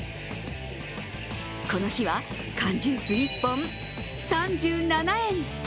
この日は缶ジュース１本３７円。